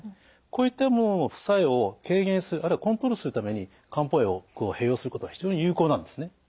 こういったものの副作用を軽減するあるいはコントロールするために漢方薬を併用することは非常に有効なんですね。